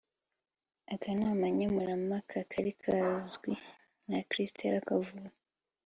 Akanama nkemurampaka kari kagizwe na Crystal Kavulu